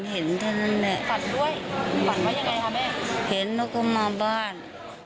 เห็นเขาก็มาบ้าน